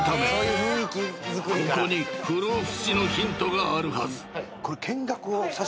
［ここに不老不死のヒントがあるはず］